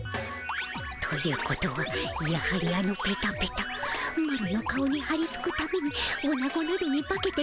ということはやはりあのペタペタマロの顔にはりつくためにおなごなどに化けて電ボに近づいたでおじゃる。